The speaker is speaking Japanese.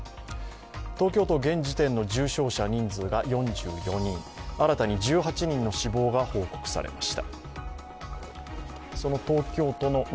東京都、現時点の重症者人数が４４人新たに１８人の死亡が報告されました。